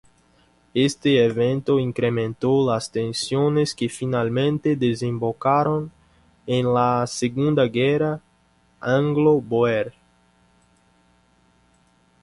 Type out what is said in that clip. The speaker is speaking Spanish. Este evento incrementó las tensiones que finalmente desembocaron en la Segunda Guerra Anglo-Bóer.